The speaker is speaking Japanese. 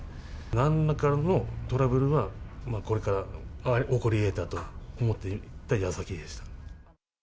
なんらかのトラブルは、これから起こりえたと思っていたやさきでした。